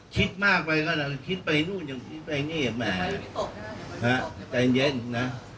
คิดมากไปก็คิดไปนู่นคิดไปเงียบใจเย็นนะ